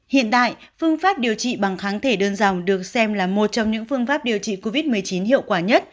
hiện tại phương pháp điều trị bằng kháng thể đơn dòng được xem là một trong những phương pháp điều trị covid một mươi chín hiệu quả nhất